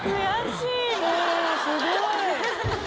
すごい。